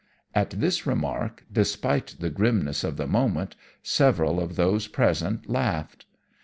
"At this remark, despite the grimness of the moment, several of those present laughed.